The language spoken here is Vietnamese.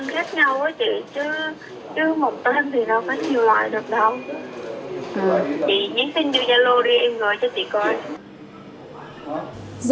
chị nhé xin dư gia lô đi em gửi cho chị coi